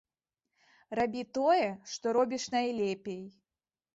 Рабі тое, што робіш найлепей.